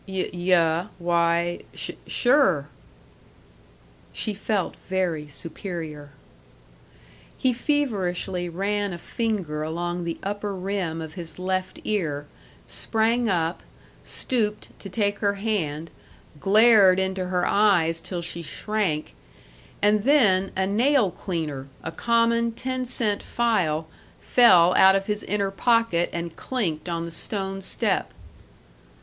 "Y yuh; why, s sure!" She felt very superior. He feverishly ran a finger along the upper rim of his left ear, sprang up, stooped to take her hand, glared into her eyes till she shrank and then a nail cleaner, a common, ten cent file, fell out of his inner pocket and clinked on the stone step.